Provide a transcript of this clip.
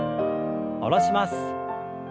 下ろします。